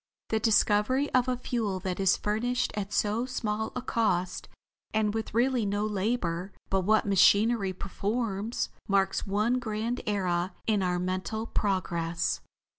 The discovery of a fuel that is furnished at so small a cost and with really no labor but what machinery performs, marks one grand era in our mental progress."